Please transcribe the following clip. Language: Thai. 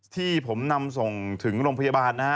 ที่ผมนำส่งถึงโรงพยาบาลนะฮะ